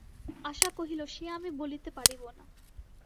আশা কহিল, সে আমি বলিতে পারিব না।